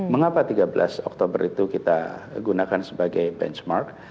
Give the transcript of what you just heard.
mengapa tiga belas oktober itu kita gunakan sebagai benchmark